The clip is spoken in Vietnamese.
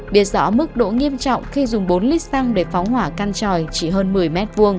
biết rõ mức độ nghiêm trọng khi dùng bốn lít xăng để phóng hỏa căn tròi chỉ hơn một mươi m hai